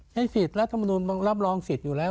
ให้สิทธิ์รัฐมนุนรับรองสิทธิ์อยู่แล้ว